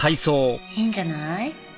いいんじゃない？